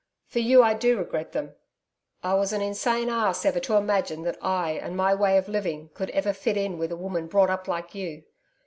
For you, I do regret them. I was an insane ass ever to imagine that I and my way of living could ever fit in with a woman brought up like you.